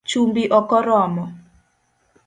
Chumbi okoromo